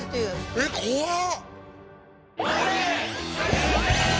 えっ怖っ！